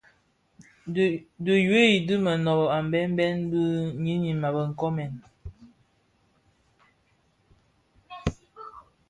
Di yuu di monōb a mbembe bi ňyinim a be nkoomèn.